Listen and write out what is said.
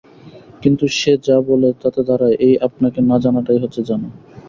কিন্তু সে যা বলে তাতে দাঁড়ায় এই আপনাকে না-জানাটাই হচ্ছে জানা।